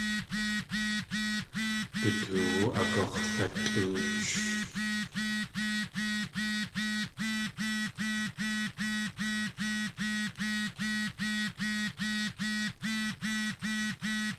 Du toowú agux̲latʼóoch.